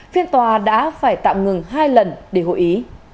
phiên tòa đã phải tạm ngừng hai lần để hội ý